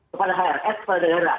kepada hrs kepada negara